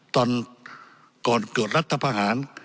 ตอนก่อนเกิดรัฐพาหาร